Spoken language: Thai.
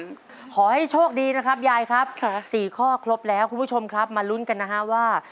ขอให้โชคดีนะครับยายครับ๔ข้อครบแล้วคุณผู้ชมครับมาลุ้นกันนะฮะว่า